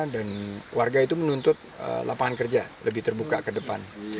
dan warga itu menuntut lapangan kerja lebih terbuka ke depan